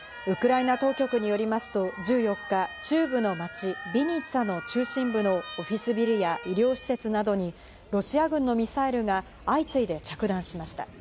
ウクライナ当局によりますと１４日、中部の町ビニツァの中心部のオフィスビルや医療施設などにとロシア軍のミサイルが相次いで着弾しました。